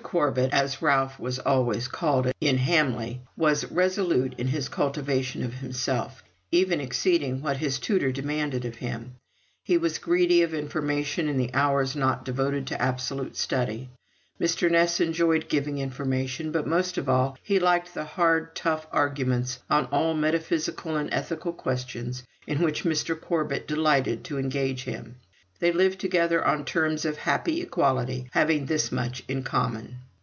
Corbet, as Ralph was always called in Hamley, was resolute in his cultivation of himself, even exceeding what his tutor demanded of him. He was greedy of information in the hours not devoted to absolute study. Mr. Ness enjoyed giving information, but most of all he liked the hard tough arguments on all metaphysical and ethical questions in which Mr. Corbet delighted to engage him. They lived together on terms of happy equality, having thus much in common.